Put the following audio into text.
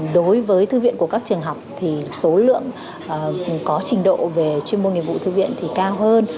đối với thư viện của các trường học thì số lượng có trình độ về chuyên môn nghiệp vụ thư viện thì cao hơn